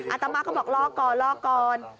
อาตมาก็บอกรอก่อนรอก่อน